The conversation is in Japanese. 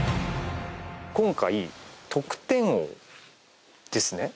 今回、得点王ですね？